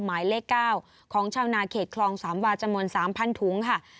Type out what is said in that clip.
หมายเลข๙ของชาวนาเขตคลองสามวาจำนวน๓๐๐ถุงค่ะ